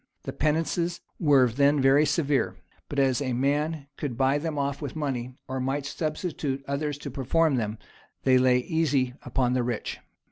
[] The penances were then very severe; but as a man could buy them off with money, or might substitute others to perform them, they lay easy upon the rich.